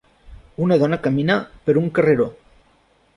Una dona camina per un carreró